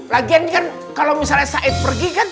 lagian kan kalau misalnya said pergi kan